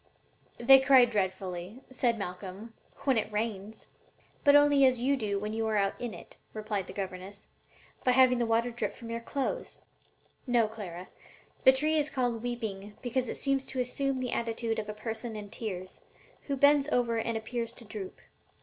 "They cry dreadfully," said Malcolm, "when it rains." "But only as you do when you are out in it," replied his governess "by having the water drip from your clothes. No, Clara, the tree is called 'weeping' because it seems to 'assume the attitude of a person in tears, who bends over and appears to droop.'